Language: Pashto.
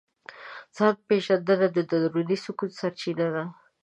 ځان پېژندنه د دروني سکون سرچینه ده.